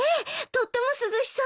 とっても涼しそうね。